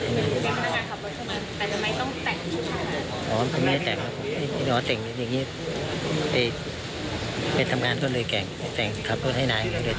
ไปทำงานก็เลยแก่งแก่งขับตัวให้นายก็เลยแก่งขึ้น